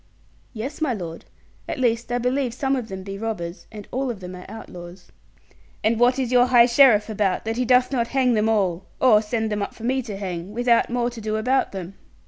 'Yes, my lord. At least, I believe some of them be robbers, and all of them are outlaws.' 'And what is your high sheriff about, that he doth not hang them all? Or send them up for me to hang, without more to do about them?'